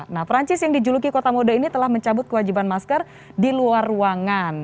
nah perancis yang dijuluki kota mode ini telah mencabut kewajiban masker di luar ruangan